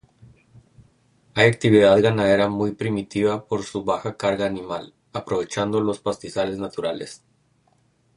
Hay actividad ganadera muy primitiva por su "baja carga animal", aprovechando los pastizales naturales.